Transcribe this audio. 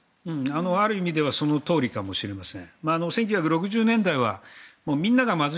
ある意味ではそのとおりかもしれません。